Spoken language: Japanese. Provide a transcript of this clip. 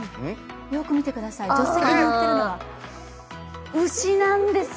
よく見てください、助手席に乗っているのは牛なんです。